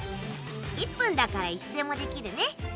１分だからいつでもできるね。